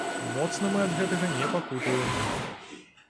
Моцна мы ад гэтага не пакутуем.